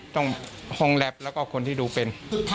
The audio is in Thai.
ห้องแล็ปแล้วก็คนที่ดูเป็น